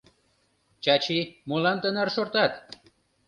— Чачи, молан тынар шортат?